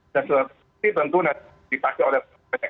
dan selanjutnya tentu dipakai oleh banyak